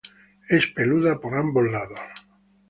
Es peluda por ambos lados.